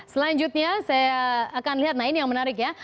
selanjutnya saya akan lihat nah ini yang menarik ya